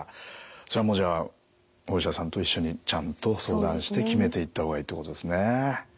それもじゃあお医者さんと一緒にちゃんと相談して決めていった方がいいってことですね。